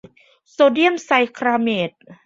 โซเดียมไซคลาเมต